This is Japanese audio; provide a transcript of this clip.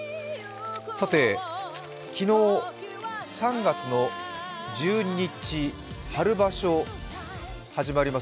さて、昨日、３月１２日春場所が始まります